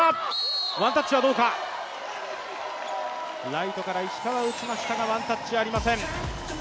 ライトから石川打ちましたがワンタッチありません。